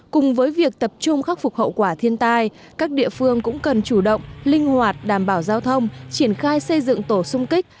cùng với việc tập trung khắc phục hậu quả thiên tai các địa phương cũng cần chủ động linh hoạt đảm bảo giao thông triển khai xây dựng tổ sung kích